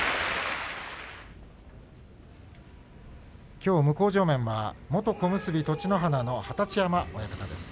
きょう向正面は元小結栃乃花の二十山親方です。